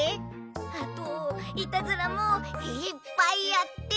あとイタズラもいっぱいやって。